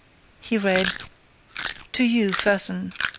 —" He read: To you, Fersen.